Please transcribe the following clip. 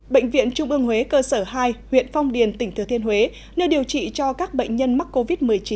bệnh viện trung ương huế cơ sở hai huyện phong điền tỉnh thừa thiên huế nơi điều trị cho các bệnh nhân mắc covid một mươi chín